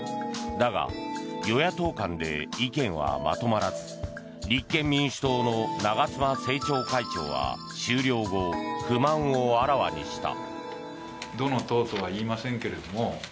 だが、与野党間で意見はまとまらず立憲民主党の長妻政調会長は終了後、不満をあらわにした。